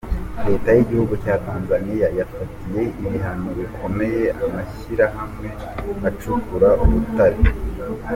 Leta y’igihugu cya Tanzaniya yafatiye ibihano bikomeye amashyirahamwe acukura ubutare.